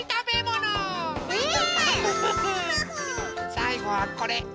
さいごはこれ。